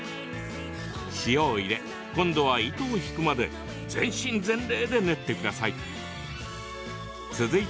塩を入れ、今度は糸を引くまで全身全霊で練ってください。